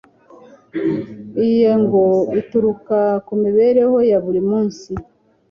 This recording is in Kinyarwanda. Iyi ngo ituruka ku mibereho ya buri munsi